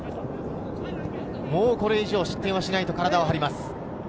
もうこれ以上、失点はしないと体を張ります。